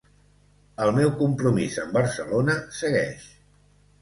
El meu compromís amb Barcelona segueix.